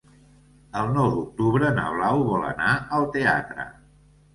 El nou d'octubre na Blau vol anar al teatre.